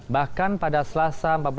bahkan pada selasa empat belas